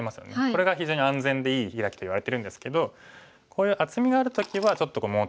これが非常に安全でいいヒラキといわれてるんですけどこういう厚みがある時はちょっと物足りないんですね。